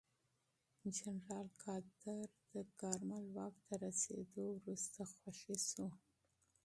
جنرال قادر د کارمل واک ته رسېدو وروسته خوشې شو.